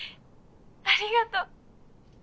ありがとう！